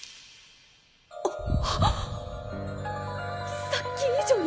あっ！